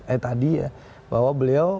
eh tadi ya bahwa beliau